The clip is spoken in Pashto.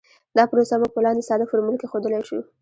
دا پروسه موږ په لاندې ساده فورمول کې ښودلی شو